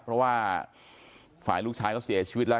เพราะว่าฝ่ายลูกชายเขาเสียชีวิตแล้ว